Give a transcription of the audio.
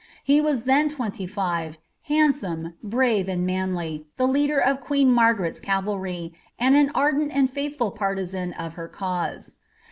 He was then twenty five, handsome, brave, and manly, the ler of queen Margaret's cavalry, a(id an ardent and faithful partisan of her cause.